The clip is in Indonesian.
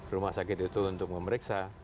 rumah sakit itu untuk memeriksa